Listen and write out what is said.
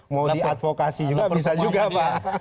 mau diadvokasi juga bisa juga pak